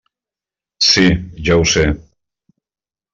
Sí, ja ho sé.